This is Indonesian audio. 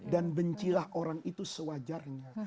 dan bencilah orang itu sewajarnya